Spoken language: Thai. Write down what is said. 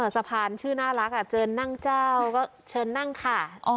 สะพานชื่อน่ารักเชิญนั่งเจ้าก็เชิญนั่งขาด